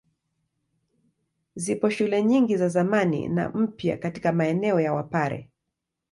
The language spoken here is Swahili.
Zipo shule nyingi za zamani na mpya katika maeneo ya Wapare.